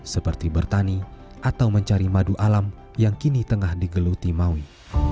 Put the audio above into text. seperti bertani atau mencari madu alam yang kini tengah digeluti maui